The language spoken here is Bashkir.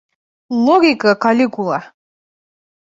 Логика, Калигула!